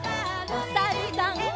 おさるさん。